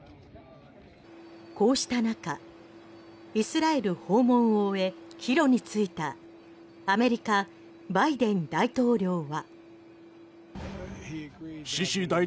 こうした中イスラエル訪問を終え帰路に就いたアメリカ、バイデン大統領は。